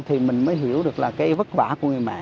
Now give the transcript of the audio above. thì mình mới hiểu được là cái vất vả của người mẹ